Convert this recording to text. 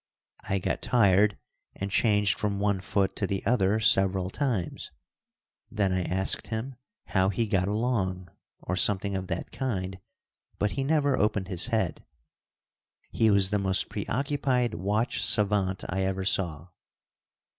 I got tired and changed from one foot to the other several times. Then I asked him how he got along, or something of that kind, but he never opened his head. He was the most preoccupied watch savant I ever saw.